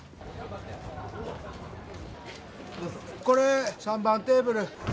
これ３番テーブル。